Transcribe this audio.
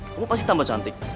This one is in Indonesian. kamu pasti tambah cantik